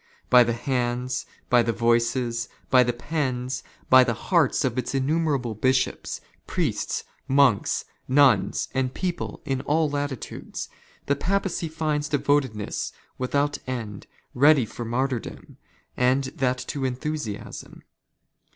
By the hands, by the voices, by the pens, " by the hearts of its innumerable bishops, priests, monks, nuns, and " people in all latitudes, the Papacy finds devotedness without end '' readyformartyrdom, and thatto enthusiasm.